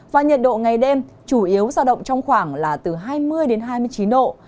và nhiệt độ ngày đêm chủ yếu giao động trong khoảng là từ hai mươi đến hai mươi chín độ